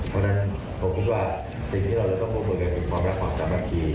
เพราะฉะนั้นผมคิดว่าสิ่งที่เราจะต้องร่วมมือกันเป็นความรักความสามัคคี